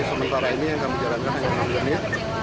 untuk hari ini yang kami jalankan hanya enam menit